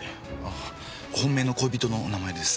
あ本命の恋人の名前です。